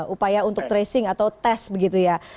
upaya untuk tracing atau tes begitu ya